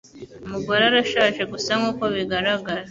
Umugore arashaje gusa nkuko bigaragara.